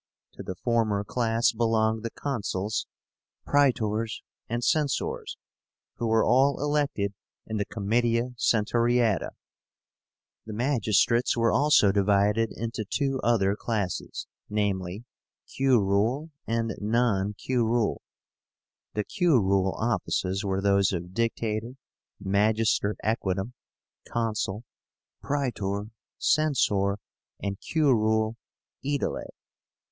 To the former class belonged the Consuls, Praetors, and Censors, who were all elected in the Comitia Centuriáta. The magistrates were also divided into two other classes, viz. Curule and Non Curule. The Curule offices were those of Dictator, Magister Equitum, Consul, Praetor, Censor, and Curule Aedile.